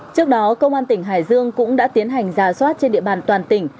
trước đó công an tỉnh hải dương cũng đã tiến hành giả soát trên địa bàn toàn tỉnh